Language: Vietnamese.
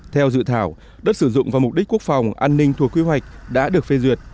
theo dự thảo đất sử dụng và mục đích quốc phòng an ninh thuộc quy hoạch đã được phê duyệt